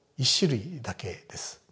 １種類だけです。